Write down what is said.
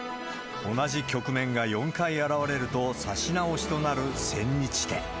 同じ局面が４回現れると指し直しとなる千日手。